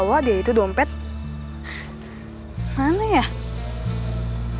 ya tidak ada poin begitu pak